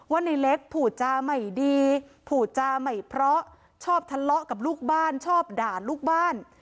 ว่าในเล็กผูจาไม่ดีผูจาไม่เพราะชอบทะเลาะกับลูกบ้านชอบด่าลูกบ้าน